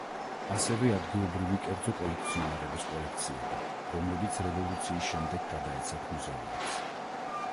ასევე ადგილობრივი კერძო კოლექციონერების კოლექციები, რომლებიც რევოლუციის შემდეგ გადაეცათ მუზეუმებს.